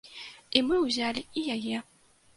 І мы ўзялі і яе.